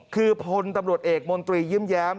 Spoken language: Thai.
คือพตำรวจเอกมยยิ้มแย้ม